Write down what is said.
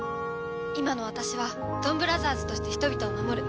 今の私はドンブラザーズとして人々を守る。